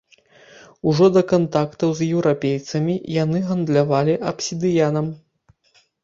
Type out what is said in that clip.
Ужо да кантактаў з еўрапейцамі яны гандлявалі абсідыянам.